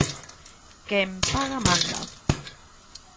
'Quen paga, manda'.